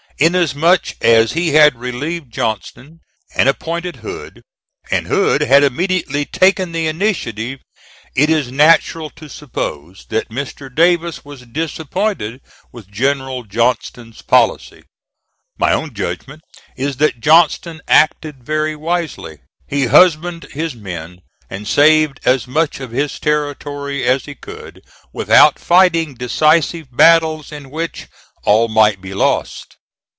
Inasmuch as he had relieved Johnston and appointed Hood, and Hood had immediately taken the initiative, it is natural to suppose that Mr. Davis was disappointed with General Johnston's policy. My own judgment is that Johnston acted very wisely: he husbanded his men and saved as much of his territory as he could, without fighting decisive battles in which all might be lost.